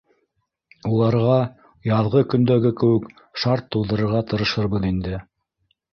Уларға яҙғы көндәге кеүек шарт тыуҙырырға тырышырбыҙ инде